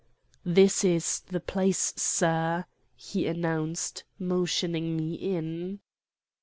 'This is the place, sir,' he announced, motioning me in.